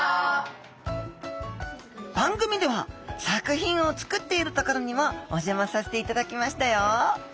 番組では作品を作っているところにもお邪魔させていただきましたよ。